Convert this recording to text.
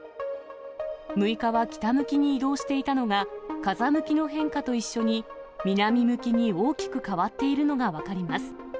６日は北向きに移動していたのが、風向きの変化と一緒に、南向きに大きく変わっているのが分かります。